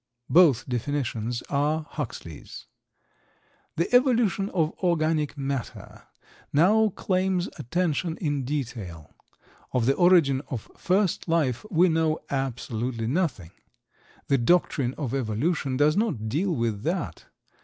Both definitions are Huxley's. The evolution of organic matter now claims attention in detail. Of the origin of first life, we know absolutely nothing. The doctrine of Evolution does not deal with that.